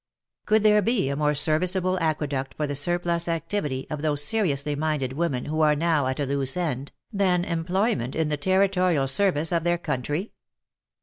Could there be a more serviceable aqueduct for the surplus activity of those seriously minded women who are now at a loose end, than employment in the Territorial service of their country